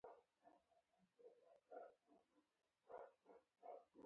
هغه به د ناراحتۍ احساس کوي.